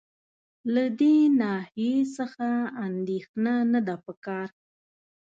له دې ناحیې څخه اندېښنه نه ده په کار.